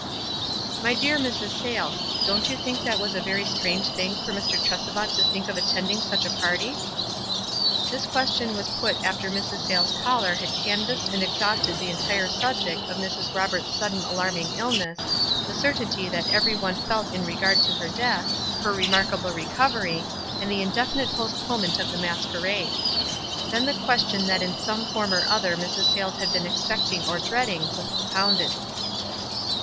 '" "My dear Mrs. Sayles, don't you think it was a very strange thing for Mr. Tresevant to think of attending such a party ?" This question was put after Mrs. Sayles' caller had canvassed and exhausted the entire subject of Mrs. Roberts' sudden alarming illness, the certainty that every one felt in regard to her death, her remarkable recovery, and the indefinite postponement of the masquerade. Then the question that in some form or other Mrs. Sayles had been expecting or dreading, was propounded.